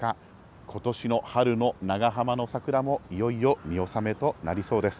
ことしの春の長浜の桜も、いよいよ見納めとなりそうです。